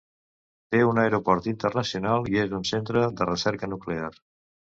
Té un aeroport internacional i és un centre de recerca nuclear.